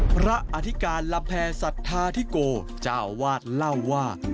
อธิการลำแพรสัทธาธิโกเจ้าวาดเล่าว่า